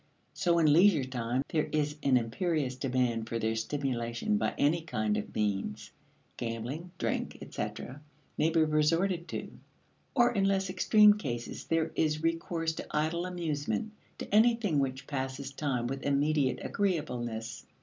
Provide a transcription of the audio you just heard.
So in leisure time, there is an imperious demand for their stimulation by any kind of means; gambling, drink, etc., may be resorted to. Or, in less extreme cases, there is recourse to idle amusement; to anything which passes time with immediate agreeableness.